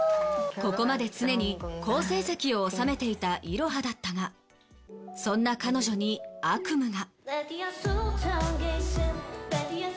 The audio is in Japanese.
ここまで常に好成績を収めていたイロハだったがそんな彼女に悪夢が。